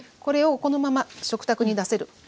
これをこのまま食卓に出せる。